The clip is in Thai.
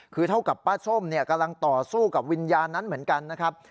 คือเท่ากับป้าส้มเนี่ยกำลังต่อสู้กับวิญญาณนั้นเหมือนกันนะครับ